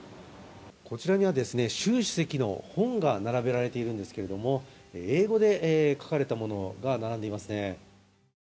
こちらには習主席の本が並べられているんですけれども英語で書かれたものが並んでいますね。